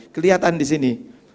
kelihatan di sini